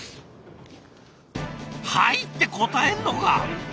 「はい」って答えんのか！